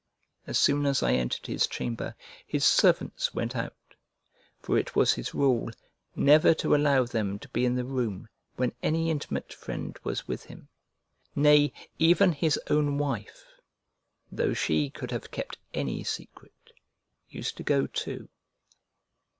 As soon as I entered his chamber, his servants went out: for it was his rule, never to allow them to be in the room when any intimate friend was with him; nay, even his own wife, though she could have kept any secret, used to go too.